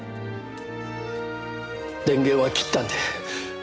電源は切ったんで。